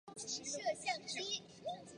咸田镇建制撤销。